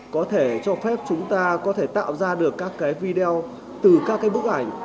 có thể cho phép chúng ta có thể tạo ra được các video từ các bức ảnh